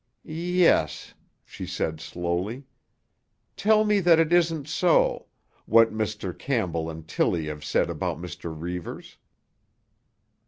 "Yes," she said slowly. "Tell me that it isn't so—what Mr. Campbell and Tilly have said about Mr. Reivers."